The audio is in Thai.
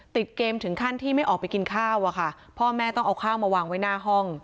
ติดเกมถึงขั้นที่ไม่ออกไปกินข้าวอะค่ะพ่อแม่ต้องเอาข้าวมาวางไว้หน้าห้อง